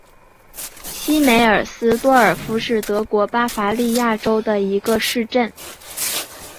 西梅尔斯多尔夫是德国巴伐利亚州的一个市镇。